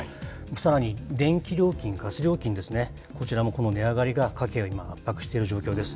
さらに電気料金、ガス料金ですね、こちらもこの値上がりが家計を圧迫している状況です。